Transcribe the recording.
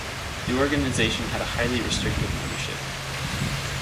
The organization had a highly restricted membership.